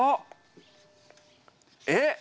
えっ？